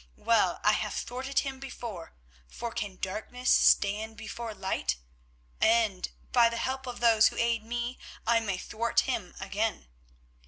Well, I have thwarted him before, for can Darkness stand before Light? and, by the help of those who aid me, I may thwart him again.